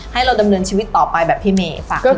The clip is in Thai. ให้เราดำเนินชีวิตต่อไปพี่เมธิ์ฝากในในสาน